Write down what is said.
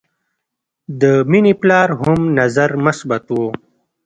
د مینې پلار هم نظر مثبت و